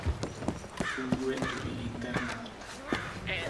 Funguje tu i internát.